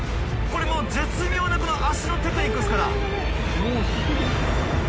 これもう絶妙なこの足のテクニックですから。